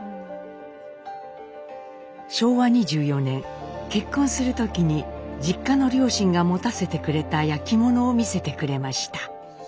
昭和２４年結婚する時に実家の両親が持たせてくれた焼き物を見せてくれました。